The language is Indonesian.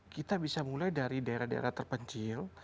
kita bisa mulai dari daerah daerah terpencil